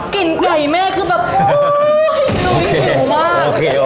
กลิ่นไก่แม่คือแบบโอ้ยหลุมอยู่หลูกมาก